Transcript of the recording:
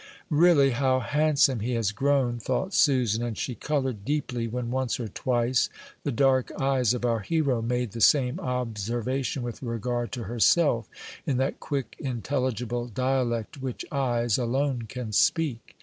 "Really, how handsome he has grown!" thought Susan; and she colored deeply when once or twice the dark eyes of our hero made the same observation with regard to herself, in that quick, intelligible dialect which eyes alone can speak.